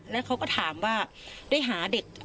แล้วเขาก็ถามว่าได้หาเด็ก